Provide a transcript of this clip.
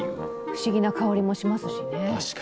不思議な香りもしますしね。